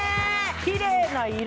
きれいな色！